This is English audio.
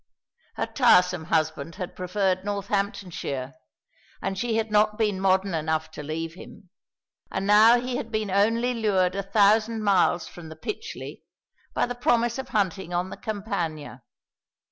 Her tiresome husband had preferred Northamptonshire, and she had not been modern enough to leave him; and now he had been only lured a thousand miles from the Pytchley by the promise of hunting on the Campagna.